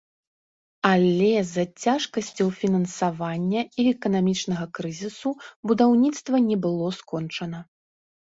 Але з-за цяжкасцяў фінансавання і эканамічнага крызісу, будаўніцтва не было скончана.